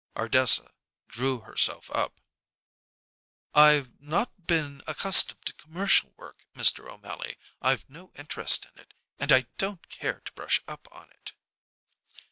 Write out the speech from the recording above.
Ardessa drew herself up. "I've not been accustomed to commercial work, Mr. O'Mally. I've no interest in it, and I don't care to brush up in it."